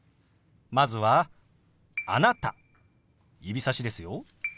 まずは「あなた」指さしですよ。